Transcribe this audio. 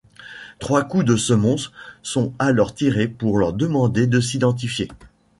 Trois coups de semonce sont alors tirés pour leur demander de s'identifier.